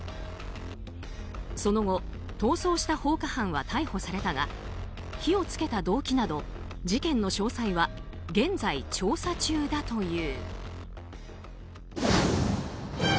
その後、逃走した放火犯は逮捕されたが火を付けた動機など事件の詳細は現在、調査中だという。